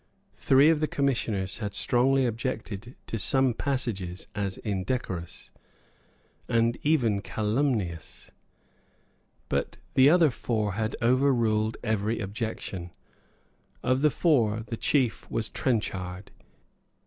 Three of the commissioners had strongly objected to some passages as indecorous, and even calumnious; but the other four had overruled every objection. Of the four the chief was Trenchard.